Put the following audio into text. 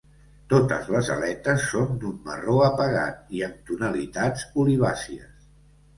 Totes les aletes són d'un marró apagat i amb tonalitats olivàcies.